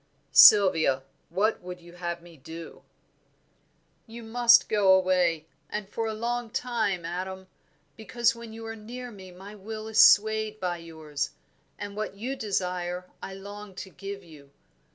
"Sylvia, what would you have me do?" "You must go away, and for a long time, Adam; because when you are near me my will is swayed by yours, and what you desire I long to give you.